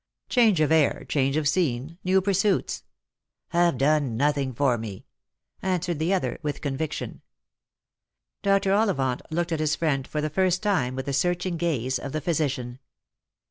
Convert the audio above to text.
Change of air, change of scene, new pursuits " "Have done nothing for me," answered the other, with conviction. Dr. Ollivant looked at his friend for the first time with the searching gaze of the physician.